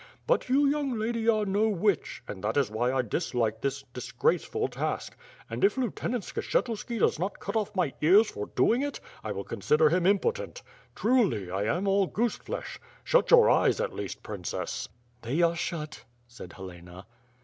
But you, young lady, are no witch, and that is w^hy I dislike this dis graceful task; and if Lieutenant Skshetuski does not cut off my ears for doing it, I will consider him impotent. Truly I am all gooscflosh. Shut your eyes at least, princess.'' "They are shut,' 'said Helena.